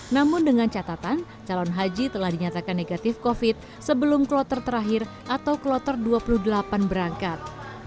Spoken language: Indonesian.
namun dengan catatan calon haji telah dinyatakan negatif covid sembilan belas sebelum kloter terakhir atau kloter dua puluh delapan berangkat